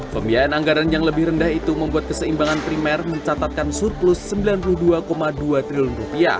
pembiayaan anggaran yang lebih rendah itu membuat keseimbangan primer mencatatkan surplus rp sembilan puluh dua dua triliun